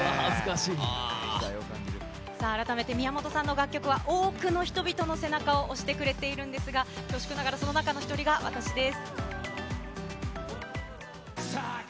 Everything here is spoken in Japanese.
さあ、改めて宮本さんの楽曲は多くの人々の背中を押してくれているんですが、恐縮ながら、その中の一人が私です。